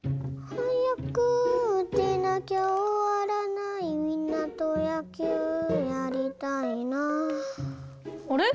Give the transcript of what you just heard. はやくうてなきゃおわらないみんなとやきゅうやりたいなあれ？